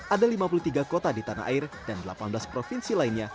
ada lima puluh tiga kota di tanah air dan delapan belas provinsi lainnya